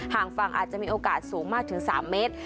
ห่างฝั่งอาจจะมีโอกาสสูงมากถึง๓เมตร